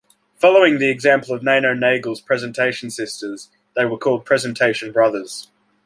Following the example of Nano Nagle's Presentation Sisters, they were called "Presentation Brothers".